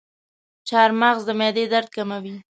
چارمغز د معدې درد کموي.